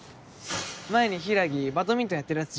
前に柊バドミントンやってるヤツ